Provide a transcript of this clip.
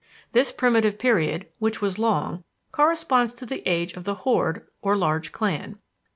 This primitive period, which was long, corresponds to the age of the horde or large clan.